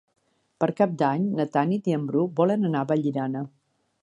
Per Cap d'Any na Tanit i en Bru volen anar a Vallirana.